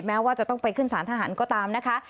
แม้ว่าจะต้องไปขึ้นสารทหารก็ตามนะคะ